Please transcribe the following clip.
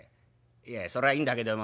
いやそらいいんだけども